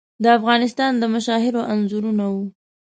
د افغانستان د مشاهیرو انځورونه وو.